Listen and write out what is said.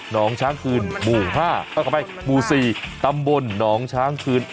หนองช้างคืนหมู่๔ตำบลหนองช้างคืนอ๋อ